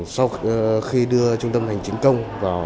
sau khi đưa trung tâm hành trình công